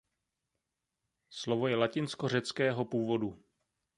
Slovo je latinsko–řeckého původu.